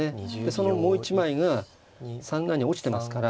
そのもう一枚が３七に落ちてますから。